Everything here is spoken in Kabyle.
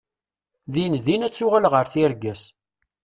Din din ad tuɣal ɣer tirga-s.